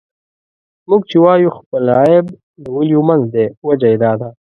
موږ چې وايو خپل عيب د ولیو منځ دی، وجه یې دا ده.